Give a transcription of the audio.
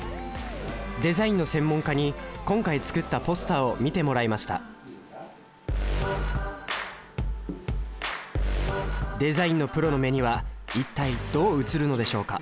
デザインの専門家に今回作ったポスターを見てもらいましたデザインのプロの目には一体どう映るのでしょうか？